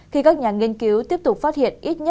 khi các nhà nghiên cứu tiếp tục phát hiện